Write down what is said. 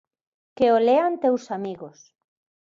Que o lean teus amigos.